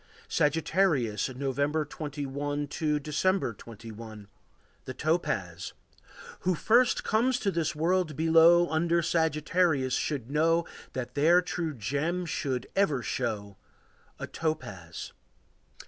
Sagittarius. November 21 to December 21. The Topaz. Who first comes to this world below Under Sagittarius should know That their true gem should ever show A topaz.